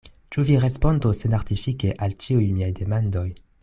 Ĉu vi respondos senartifike al ĉiuj miaj demandoj?